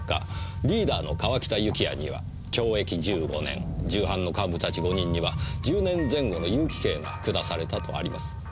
リーダーの川北幸也には懲役１５年従犯の幹部たち５人には１０年前後の有期刑が下されたとあります。